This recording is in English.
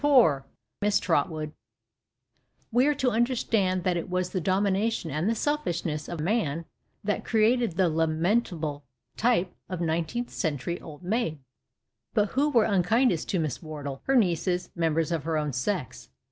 Poor Miss Trotwood ! We are to understand that it was the domination and the selfishness of man that created the lament able type of nineteenth century " old maid." But who were unkindest to Miss Wardle ? Her nieces, members of her own sex.